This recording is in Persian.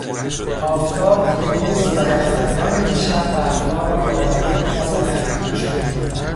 آفتاب دیروز و یخبندان دیشب برفها را با لایهای از یخ پوشانید.